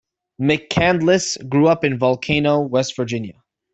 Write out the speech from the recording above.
McCandless grew up in Volcano, West Virginia.